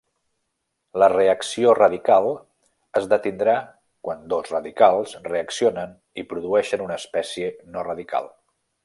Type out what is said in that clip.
La reacció radical es detindrà quan dos radicals reaccionen i produeixen una espècie no radical.